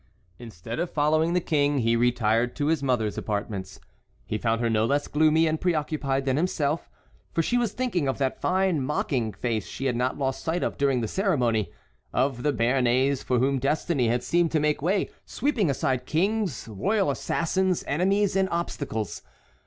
Instead of following the King he retired to his mother's apartments. He found her no less gloomy and preoccupied than himself, for she was thinking of that fine mocking face she had not lost sight of during the ceremony, of the Béarnais for whom destiny had seemed to make way, sweeping aside kings, royal assassins, enemies, and obstacles.